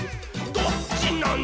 どっちなの！